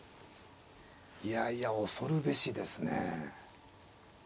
いやいや恐るべしですね。